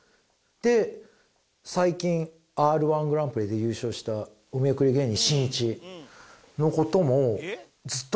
で最近Ｒ−１グランプリで優勝したお見送り芸人しんいちの事もずっと買ってたんですよ。